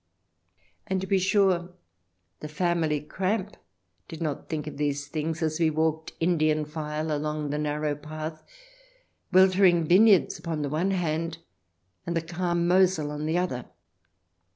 And be sure the family Kramp did not think of these things as we walked, Indian file, along the narrow path, weltering vineyards upon the one hand and the calm Mosel on the other.